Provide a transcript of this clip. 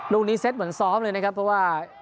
ลูกนี้เซ็ตเหมือนซ้อมเลยนะครับเพราะว่า